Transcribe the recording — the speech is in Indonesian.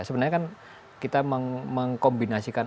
sebenarnya kan kita mengkombinasikan